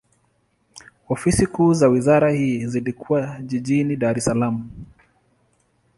Ofisi kuu za wizara hii zilikuwa jijini Dar es Salaam.